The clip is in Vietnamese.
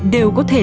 đều có thể